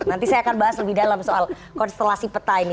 nanti saya akan bahas lebih dalam soal konstelasi peta ini